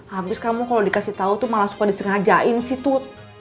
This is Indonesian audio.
habis kamu kalau dikasih tahu tuh malah suka disengajain sih tuh